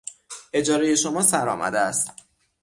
اجارهی شما سر آمده است.